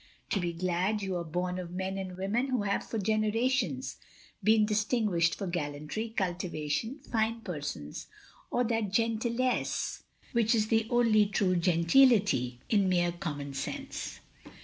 To be glad you are bom of men and women who have for generations been distin guished for gallantry, cultivation, fine persons, or that gentiUesse which is the only true gentility — ^is mere common sense.